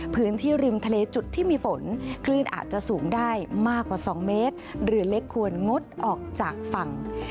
พื้นที่ริมทะเลจุดที่มีฝนคลื่นอาจจะสูงได้มากกว่า๒เมตรเรือเล็กควรงดออกจากฝั่ง